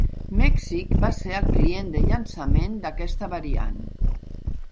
Mèxic va ser el client de llançament d'aquesta variant.